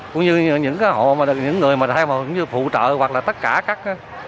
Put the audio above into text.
cũng như những người mà theo mẫu cũng như phụ trợ hoặc là tất cả các